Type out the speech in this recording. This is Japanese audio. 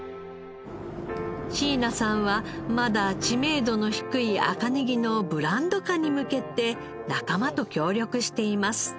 椎名さんはまだ知名度の低い赤ネギのブランド化に向けて仲間と協力しています。